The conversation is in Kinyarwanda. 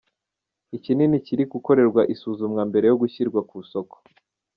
Ikinini kiri gukorerwa isuzumwa mbere yo gushyirwa ku isoko.